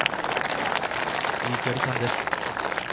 いい距離感です。